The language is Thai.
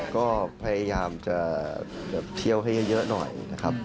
ก็พยายามจะเที่ยวให้เยอะหน่อยนะครับ